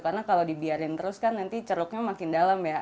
karena kalau dibiarin terus kan nanti ceruknya makin dalam ya